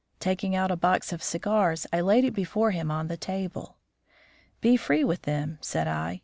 Taking out a box of cigars, I laid it before him on the table. "Be free with them," said I.